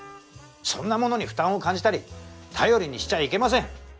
そんなものに負担を感じたり頼りにしちゃいけません。